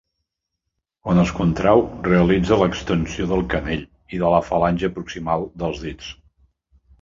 Quan es contreu realitza l'extensió del canell i de la falange proximal dels dits.